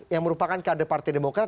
yang merupakan kader partai demokrat